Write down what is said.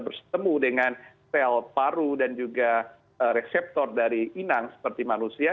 bertemu dengan sel paru dan juga reseptor dari inang seperti manusia